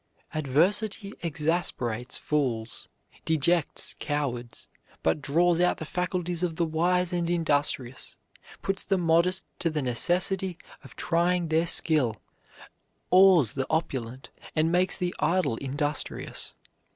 Adversity exasperates fools, dejects cowards, but draws out the faculties of the wise and industrious, puts the modest to the necessity of trying their skill, awes the opulent, and makes the idle industrious.